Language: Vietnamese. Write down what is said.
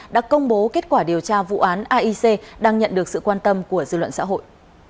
đã công bố kết quả điều tra vụ án aic đang nhận được sự quan tâm của dư luận xã hội